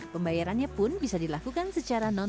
pembayarannya pun bisa dilakukan secara non tonai